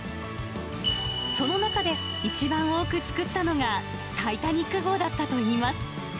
その中で、一番多く作ったのが、タイタニック号だったといいます。